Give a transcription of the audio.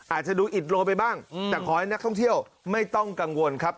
อาจจะดูอิดโลไปบ้างแต่ขอให้นักท่องเที่ยวไม่ต้องกังวลครับ